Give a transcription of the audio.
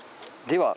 では